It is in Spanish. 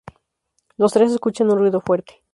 Los tres escuchan un ruido fuerte.